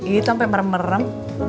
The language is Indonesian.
itu sampe merem merem